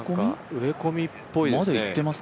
植え込みっぽいね。